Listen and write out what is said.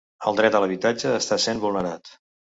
El dret a l'habitatge està sent vulnerat